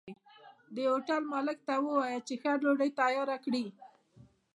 د هوټل مالک ته ووايه چې ښه ډوډۍ تياره کړي